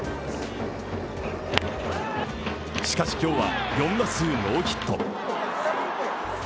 しかし、今日は４打数ノーヒット。